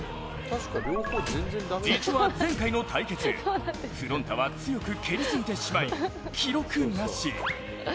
実は前回の対決、ふろん太は強く蹴りすぎてしまい、記録なし。